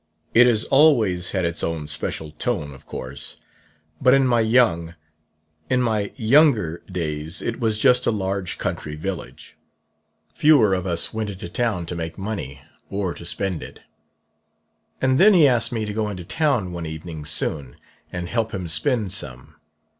It has always had its own special tone, of course; but in my young in my younger days it was just a large country village. Fewer of us went into town to make money, or to spend it.'... "And then he asked me to go into town, one evening soon, and help him spend some.